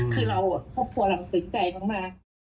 คือเราพวกคุณชะมัดมาก